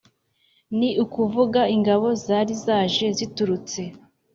ni ukuvuga ingabo zari zaje ziturutse